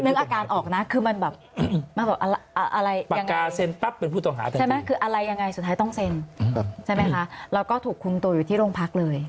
นึกอาการออกนะคือมันแบบอะไรยังไงคืออะไรยังไงสุดท้ายต้องเซ็นใช่ไหมคะเราก็ถูกคุ้งตัวอยู่ที่โรงพักษณ์เลย